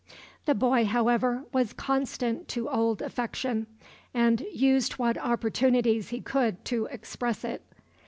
The boy, however, was constant to old affection, and used what opportunities he could to express it.